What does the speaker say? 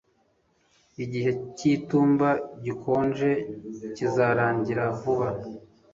Igihe cyitumba gikonje kizarangira vuba